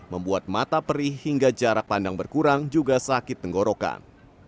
membuat mata perih hingga jarak pandang berkurang juga sakit tenggorokan